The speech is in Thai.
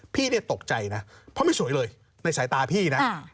พี่เนี่ยตกใจนะเพราะไม่สวยเลยในสายตาพี่นะ